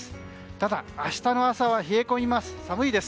ただ、明日の朝は冷え込みます。